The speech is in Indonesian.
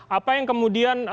apa yang kemudian